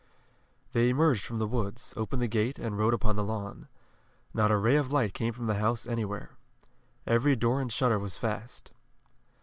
They emerged from the woods, opened the gate and rode upon the lawn. Not a ray of light came from the house anywhere. Every door and shutter was fast.